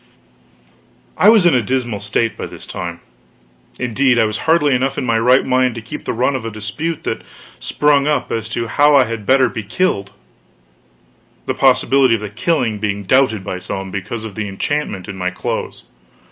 I was in a dismal state by this time; indeed, I was hardly enough in my right mind to keep the run of a dispute that sprung up as to how I had better be killed, the possibility of the killing being doubted by some, because of the enchantment in my clothes.